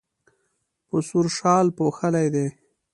په سور شال پوښلی دی.